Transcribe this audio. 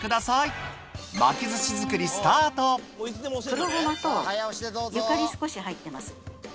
黒ゴマとゆかり少し入ってます。